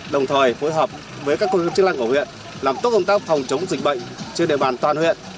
đồng thời phối hợp với các công an chức lăng ở huyện làm tốt công tác phòng chống dịch bệnh trên địa bàn toàn huyện